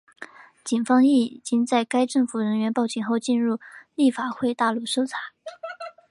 警方亦已经在该政府人员报警后进入立法会大楼搜查。